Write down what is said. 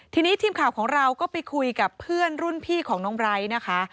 ทีนี้ทีมข่าวของเราก็ไปคุยกับเพื่อนรุ่นพี่ของน้องไบร์ทนะคะ